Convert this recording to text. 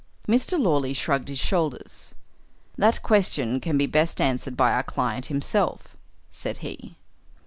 Mr. Lawley shrugged his shoulders. "That question can be best answered by our client himself," said he.